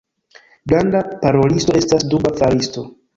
Granda parolisto estas duba faristo.